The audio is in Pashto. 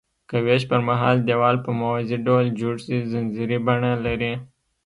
که ویش پرمهال دیوال په موازي ډول جوړ شي ځنځیري بڼه لري.